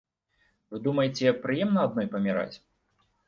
Вы думаеце, прыемна адной паміраць?